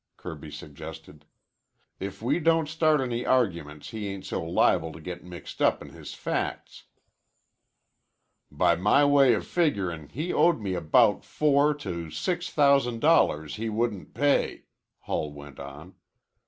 Kirby suggested. "If we don't start any arguments he ain't so liable to get mixed up in his facts." "By my way of figurin' he owed me about four to six thousand dollars he wouldn't pay," Hull went on.